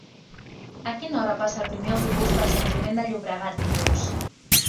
A quina hora passa el primer autobús per Sant Climent de Llobregat dilluns?